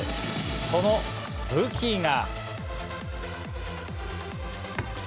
その武器が。